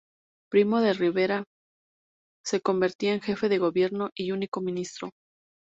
Primo de Rivera se convertía en jefe de Gobierno y único ministro.